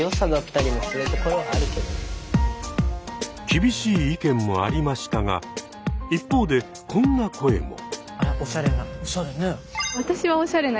厳しい意見もありましたが一方でこんな声も。